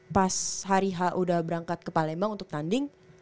pas hari h udah berangkat ke palembang untuk tanding